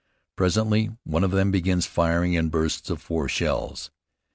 Presently one of them begins firing in bursts of four shells.